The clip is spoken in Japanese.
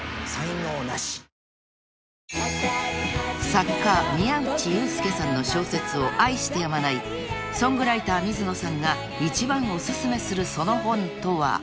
［作家宮内悠介さんの小説を愛してやまないソングライター水野さんが一番お薦めするその本とは？］